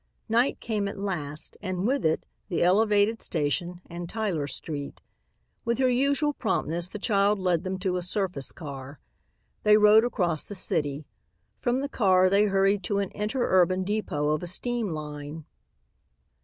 Night came at last and with it the elevated station and Tyler street. With her usual promptness, the child led them to a surface car. They rode across the city. From the car they hurried to an inter urban depot of a steam line.